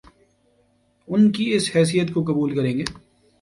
ان کی اس حیثیت کو قبول کریں گے